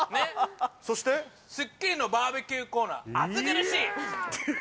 そして『スッキリ』のバーベキューコーナー、暑苦しい。